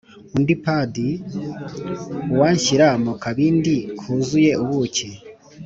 undi padi, ”uwanshyira mu kabindi kuzuye ubuki,